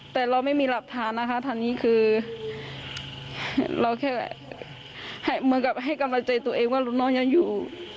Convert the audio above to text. แต่เราไม่มีหลักฐานนะคะทางนี้คือเราแค่เหมือนกับให้กำลังใจตัวเองว่าลูกน้องยังอยู่